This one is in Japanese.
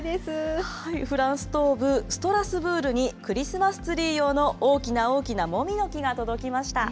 フランス東部ストラスブールに、クリスマスツリー用の大きな大きなモミの木が届きました。